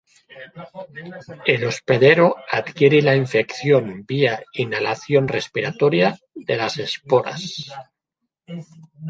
El hospedero adquiere la infección vía inhalación respiratoria de las esporas.